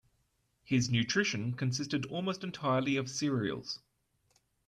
His nutrition consisted almost entirely of cereals.